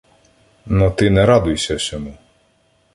Но ти не радуйся сьому.